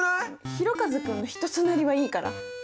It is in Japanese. ひろかず君の人となりはいいから。